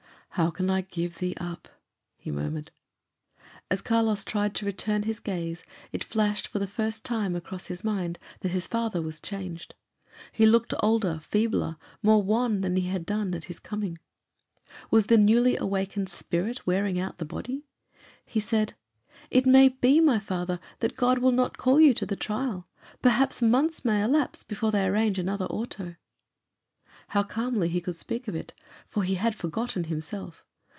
"How can I give thee up?" he murmured. As Carlos tried to return his gaze, it flashed for the first time across his mind that his father was changed. He looked older, feebler, more wan than he had done at his coming. Was the newly awakened spirit wearing out the body? He said, "It may be, my father, that God will not call you to the trial. Perhaps months may elapse before they arrange another Auto." How calmly he could speak of it; for he had forgotten himself.